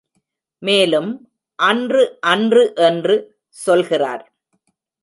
மேலும் அன்று அன்று என்று சொல்கிறார்.